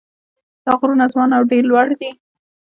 دا غرونه ځوان او ډېر لوړ دي.